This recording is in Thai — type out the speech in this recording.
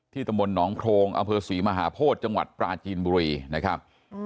ที่ตมนต์หนองโพงอเภอศรีมหาโพธย์จังหวัดปราจีนบุรีนะครับ